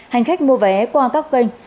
hành khách mua vé qua các kênh